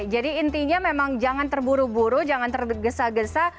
jadi intinya memang jangan terburu buru jangan tergesa gesa